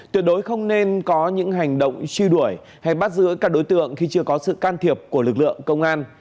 tuyệt đối không nên có những hành động truy đuổi hay bắt giữ các đối tượng khi chưa có sự can thiệp của lực lượng công an